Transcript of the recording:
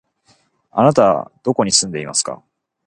あなたはどこに住んでいますか？